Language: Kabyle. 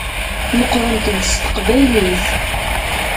Meqqṛent-d s teqbaylit.